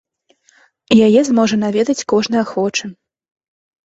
Яе зможа наведаць кожны ахвочы.